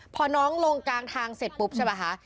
พอน้องลงกลางทางเสร็จปุ๊บใช่ป่ะคะ